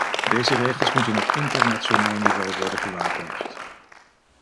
Deze regels moeten op internationaal niveau worden gewaarborgd.